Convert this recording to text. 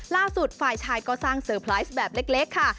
ฝ่ายชายก็สร้างเซอร์ไพรส์แบบเล็กค่ะ